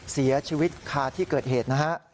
เสียชีวิตคาที่เกิดเหตุนะฮะ